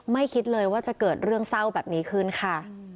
คิดเลยว่าจะเกิดเรื่องเศร้าแบบนี้ขึ้นค่ะ